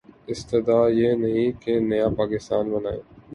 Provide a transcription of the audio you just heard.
استدعا یہ نہیں کہ نیا پاکستان بنائیں۔